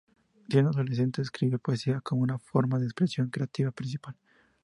Siendo adolescente escribió poesía como una forma de expresión creativa principal.